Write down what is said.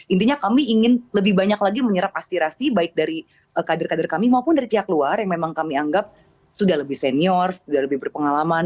intinya kami ingin lebih banyak lagi menyerap aspirasi baik dari kader kader kami maupun dari pihak luar yang memang kami anggap sudah lebih senior sudah lebih berpengalaman